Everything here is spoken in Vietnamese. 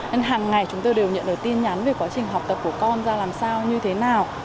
nên hàng ngày chúng tôi đều nhận được tin nhắn về quá trình học tập của con ra làm sao như thế nào